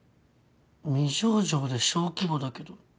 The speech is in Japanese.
未上場で小規模だけど。